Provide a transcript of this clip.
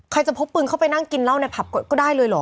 ใครจะพกปืนเข้าไปนั่งกินเหล้าในผับกดก็ได้เลยเหรอ